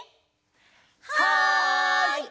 はい！